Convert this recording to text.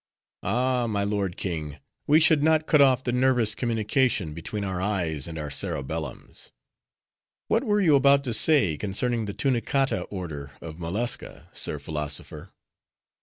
"Ah! my lord king, we should not cut off the nervous communication between our eyes, and our cerebellums." "What were you about to say concerning the Tunicata order of mollusca, sir philosopher?"